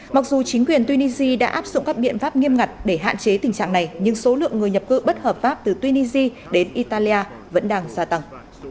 mặc dù chính quyền tunisia đã áp dụng các biện pháp nghiêm ngặt để hạn chế tình trạng này nhưng số lượng người nhập cư bất hợp pháp từ tunisia đến italia vẫn đang gia tăng